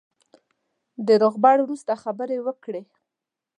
د روغبړ وروسته خبرې وکړې.